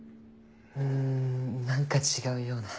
ん何か違うような。